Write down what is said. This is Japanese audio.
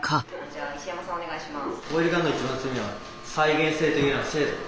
じゃあ石山さんお願いします。